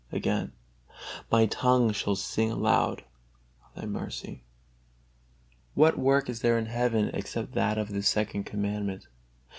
Again: "My tongue shall sing aloud of Thy mercy." What work is there in heaven except that of this Second Commandment?